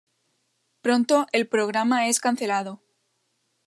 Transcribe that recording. Pronto, el programa es cancelado.